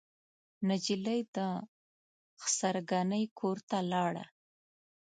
نجلۍ د خسر ګنې کورته لاړه.